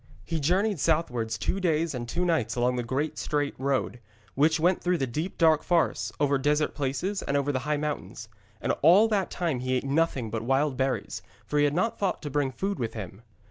He journeyed southwards two days and two nights along the great straight road, which went through the deep dark forests, over desert places and over the high mountains. And all that time he ate nothing but wild berries, for he had not thought to bring food with him.